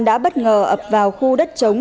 đã bất ngờ ập vào khu đất chống